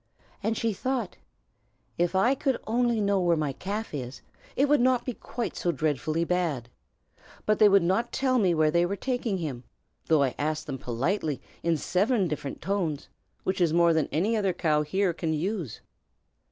And she thought, "If I could only know where my calf is, it would not be quite so dreadfully bad. But they would not tell me where they were taking him, though I asked them politely in seven different tones, which is more than any other cow here can use."